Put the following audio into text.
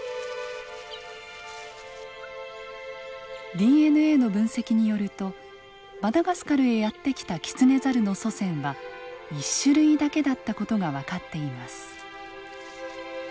ＤＮＡの分析によるとマダガスカルへやって来たキツネザルの祖先は１種類だけだった事が分かっています。